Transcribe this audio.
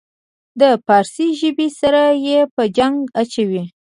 د پارسي ژبې سره یې په جنګ اچوي.